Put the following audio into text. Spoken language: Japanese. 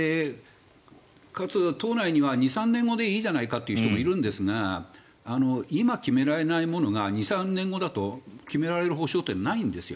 かつ党内には、２３年後でいいじゃないかという人もいるんですが今、決められないものが２３年後だと決められる保証ってないんです。